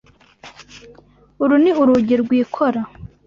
Uru ni urugi rwikora.